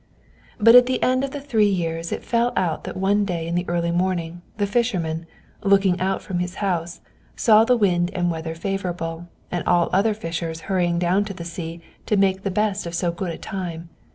But at the end of the three years it fell out that one day in the early morning, the fisherman, looking out from his house, saw the wind and weather favorable, and all other fishers hurrying down to the sea to make the best of so good a time.